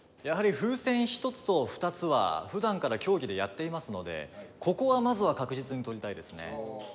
やはり風船１つと２つはふだんから競技でやっていますのでここはまずは確実に取りたいですね。